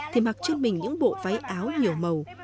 thì mặc trên mình những bộ váy áo nhiều màu